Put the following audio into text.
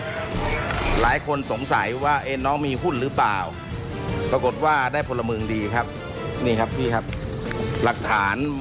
กดดาบได้ภาพต่อหลายคนสงสัยว่าน้องมีหุ้นหรือเปล่าปรากฏว่าได้พระมึงดีครับนี่ครับลักฐาน